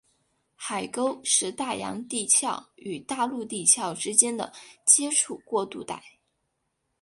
海沟是大洋地壳与大陆地壳之间的接触过渡带。